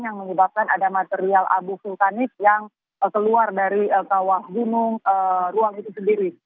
yang menyebabkan ada material abu vulkanik yang keluar dari kawah gunung ruang itu sendiri